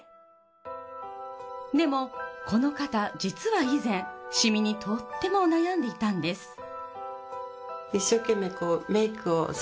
でもこの方実は以前シミにとっても悩んでいたんです。